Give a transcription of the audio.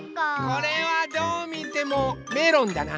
これはどうみてもメロンだな。